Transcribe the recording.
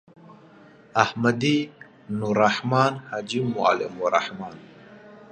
احمدی.نوالرحمن.حاجی معلم الرحمن